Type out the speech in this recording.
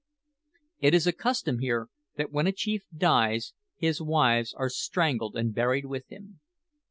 It is a custom here that when a chief dies his wives are strangled and buried with him.